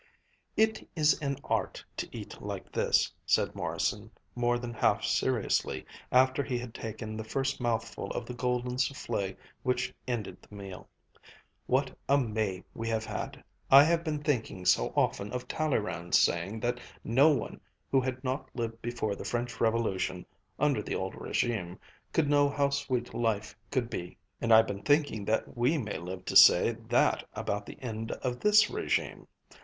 "It is an art to eat like this," said Morrison, more than half seriously, after he had taken the first mouthful of the golden soufflé which ended the meal. "What a May we have had! I have been thinking so often of Talleyrand's saying that no one who had not lived before the French Revolution, under the old régime, could know how sweet life could be; and I've been thinking that we may live to say that about the end of this régime.